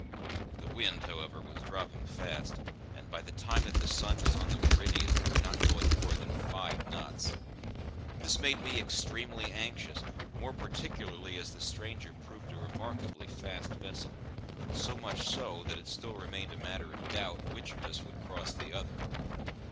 The wind, however, was dropping fast; and by the time that the sun was on the meridian we were not going more than five knots. This made me extremely anxious; more particularly as the stranger proved a remarkably fast vessel; so much so, that it still remained a matter of doubt which of us would cross the other.